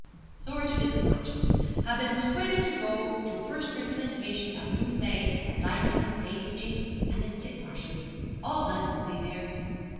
'Sorry to disappoint you. Have been persuaded to go to first representation of new play at Lyceum with Lady Jinks and the Titmarshes. All London will be there.'